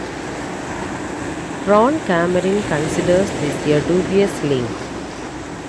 Ron Cameron considers this a dubious link.